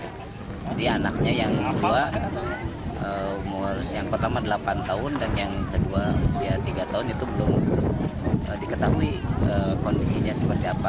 jadi anaknya yang dua umur yang pertama delapan tahun dan yang kedua usia tiga tahun itu belum diketahui kondisinya seperti apa